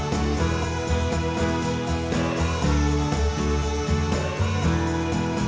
โปรดติดตามต่อไป